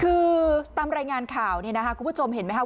คือตามรายงานข่าวเนี่ยนะคะคุณผู้ชมเห็นไหมครับ